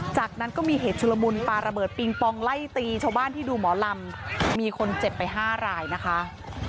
จากนั้นก็มีเหตุชุลมุนปลาระเบิดปิงปองไล่ตีชาวบ้านที่ดูหมอลำมีคนเจ็บไปห้ารายนะคะ